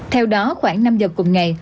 theo đó khoảng năm giờ cùng ngày